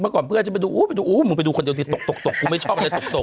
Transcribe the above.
เมื่อก่อนเมื่อจะไปดูมึงไปดูคนเดียวด้ีตก